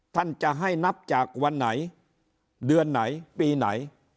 ท่านจะให้นับจากวันไหนเดือนไหนปีไหน